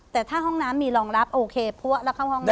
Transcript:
แต่ถ้าห้องน้ำมีรองรับโอเคพัวแล้วเข้าห้องน้ำ